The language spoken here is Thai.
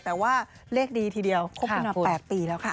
แต่ว่าเลขดีทีเดียวคบกันมา๘ปีแล้วค่ะ